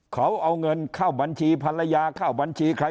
เขาเอาเงินเข้าบัญชีภรรยาเข้าบัญชีใคร